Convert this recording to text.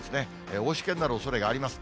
大しけになるおそれがあります。